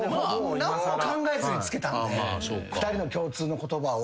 何も考えずにつけたんで２人の共通の言葉を。